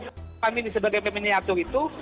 taman mini sebagai miniatur itu